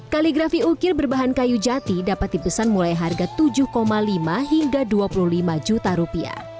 kaligrafi ukir berbahan kayu jati dapat dipesan mulai harga rp tujuh lima hingga rp dua puluh lima juta